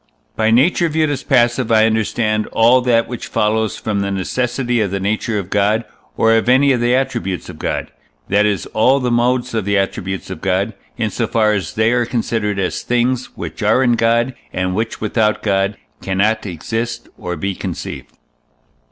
By nature viewed as passive I understand all that which follows from the necessity of the nature of God, or of any of the attributes of God, that is, all the modes of the attributes of God, in so far as they are considered as things which are in God, and which without God cannot exist or be conceived.